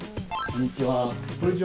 こんにちは。